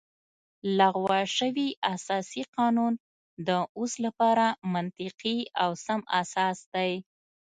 لغوه شوی اساسي قانون د اوس لپاره منطقي او سم اساس دی